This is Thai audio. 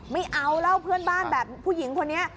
ไม่เอาแล้วเพื่อนบ้านแบบผู้หญิงคนนี้